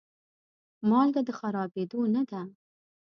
مالګه د خرابېدو نه ده.